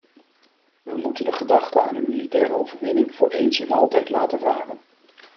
We moeten de gedachten aan een militaire overwinning voor eens en altijd laten varen.